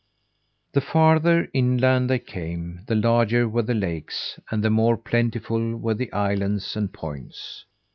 The farther inland they came, the larger were the lakes, and the more plentiful were the islands and points.